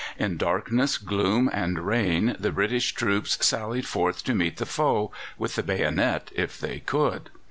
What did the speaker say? In darkness, gloom, and rain the British troops sallied forth to meet the foe with the bayonet if they could.